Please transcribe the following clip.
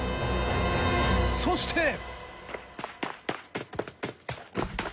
そして。